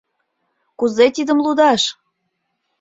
Кузе тидым лудаш?